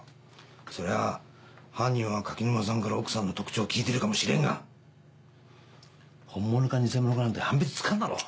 そりゃあ犯人は垣沼さんから奥さんの特徴を聞いてるかもしれんがホンモノかニセモノかなんて判別つかんだろ！